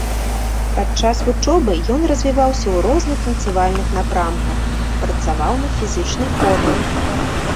Падчас вучобы ён развіваўся ў розных танцавальных напрамках, працаваў над фізічнай формай.